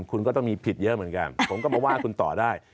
คุณก็ต้องมีผิดเยอะเหมือนกันผมก็มาว่าคุณต่อได้